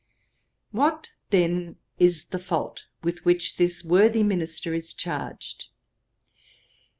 'What then is the fault with which this worthy minister is charged?